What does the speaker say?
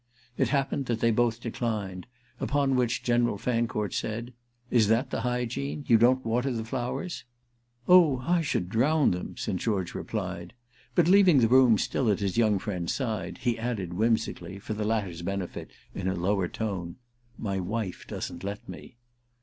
It happened that they both declined; upon which General Fancourt said: "Is that the hygiene? You don't water the flowers?" "Oh I should drown them!" St. George replied; but, leaving the room still at his young friend's side, he added whimsically, for the latter's benefit, in a lower tone: "My wife doesn't let me."